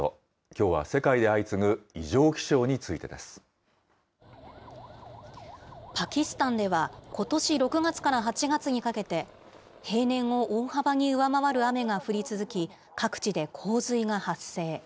きょうは世界で相次ぐ異常気象にパキスタンでは、ことし６月から８月にかけて、平年を大幅に上回る雨が降り続き、各地で洪水が発生。